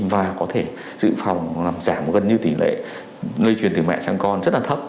và có thể dự phòng làm giảm gần như tỷ lệ lây truyền từ mẹ sang con rất là thấp